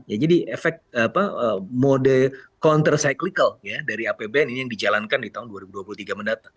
ya jadi efek mode countercyclical dari apbn ini yang dijalankan di tahun dua ribu dua puluh tiga mendatang